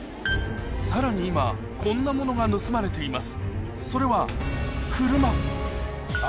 さらに今こんなものが盗まれています